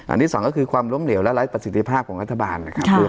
อันนี้สองก็คือความล้มเหลวและไร้ประสิทธิภาพของรัฐบาลนะครับ